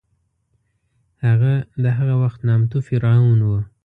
هغه د هغه وخت نامتو فرعون و.